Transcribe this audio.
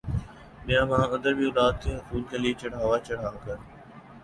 بیبیاں ادھر بھی اولاد کے حصول کےلئے چڑھاوا چڑھا کر